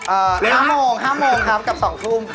เอ่อหลายโมงหลายโมงหลายโมงครับกับ๒ทุ่ม